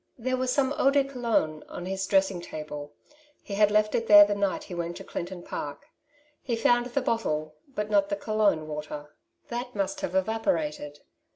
There was some eau de Cologne on his dressing table; he had left it there the night he went to Clinton Park. He found the bottle, but not the Cologne water, that must have evaporated